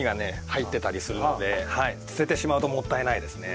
入ってたりするので捨ててしまうともったいないですね。